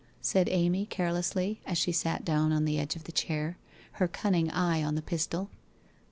said Amy, carelessly, as she sat down on the edge of the chair, her cunning eye on the pistol.